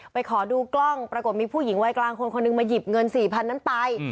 ขอดูกล้องปรากฏมีผู้หญิงวัยกลางคนคนหนึ่งมาหยิบเงิน๔๐๐นั้นไป